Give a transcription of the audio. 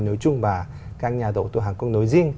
nói chung là các nhà đầu tư hàn quốc